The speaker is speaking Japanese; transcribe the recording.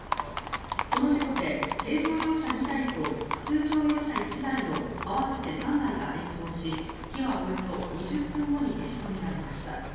この事故で軽乗用車２台と普通乗用車１台の合わせて３台が炎上し火はおよそ２０分後に消し止められました。